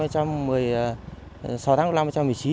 sáu tháng đầu năm hai nghìn một mươi chín